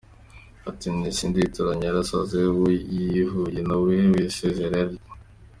Ati “Ntizitoranya zarasaze, uwo zihuye na we wese zirarya.